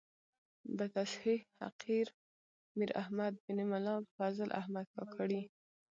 بتصحیح حقیر میر احمد بن ملا فضل احمد کاکړي.